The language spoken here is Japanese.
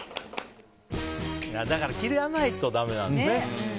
だから切らないとだめなんだね。